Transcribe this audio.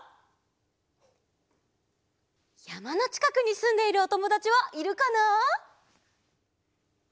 やまのちかくにすんでいるおともだちはいるかな？